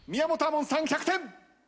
門さん１００点。